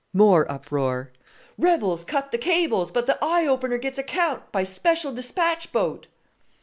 more uproar! "Rebels cut the cables, but the Eye Opener gets account by special dispatch boat!"